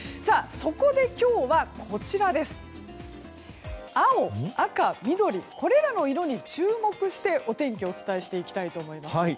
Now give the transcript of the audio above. そこで、今日は青、赤、緑これらの色に注目してお天気をお伝えしていきたいと思います。